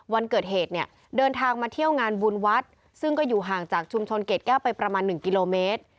วันเกิดเหตุเนี่ยเดินทางมาเที่ยวงานบุญวัดซึ่งก็อยู่ห่างจากชุมชนเกรดแก้วไปประมาณ๑กิโลเมตร